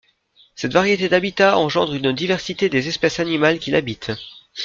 Cette variété d'habitats engendre une diversité des espèces animales qui l'habitent.